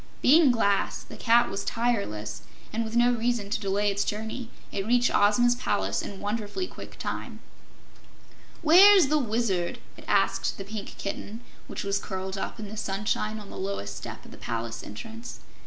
Being glass, the cat was tireless, and with no reason to delay its journey, it reached Ozma's palace in wonderfully quick time. "Where's the Wizard?" it asked the Pink Kitten, which was curled up in the sunshine on the lowest step of the palace entrance.